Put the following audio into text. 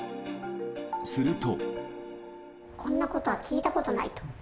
すると。